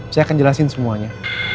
saya akan jelasin semuanya